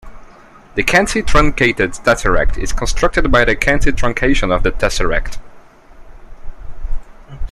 The cantitruncated tesseract is constructed by the cantitruncation of the tesseract.